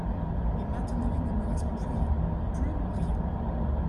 Et maintenant il ne me reste plus rien, plus rien.